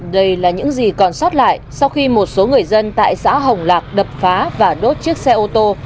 đây là những gì còn sót lại sau khi một số người dân tại xã hồng lạc đập phá và đốt chiếc xe ô tô